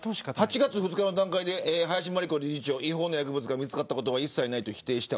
８月２日の段階で林真理子理事長は違法薬物が見つかったことは一切ないと否定した。